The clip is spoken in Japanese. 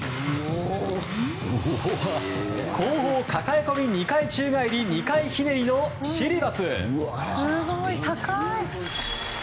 後方抱え込み２回宙返り２回ひねりのシリバス。